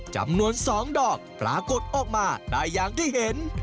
จำนวน๒ดอกปรากฏออกมาได้อย่างที่เห็น